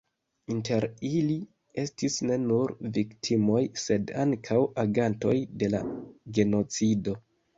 Inter ili estis ne nur viktimoj, sed ankaŭ agantoj de la genocido.